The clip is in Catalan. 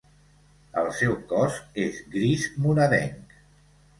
El seu cos és gris moradenc.